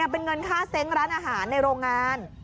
เป็นเงินค่าเซ้งร้านอาหารในโรงงาน